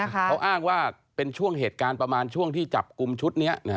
เขาอ้างว่าเป็นช่วงเหตุการณ์ประมาณช่วงที่จับกลุ่มชุดนี้